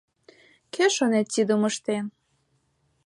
Кӧ, шонет, тидым ыштен?